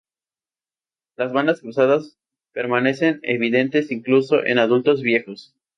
Las bandas cruzadas permanecen evidentes incluso en adultos viejos.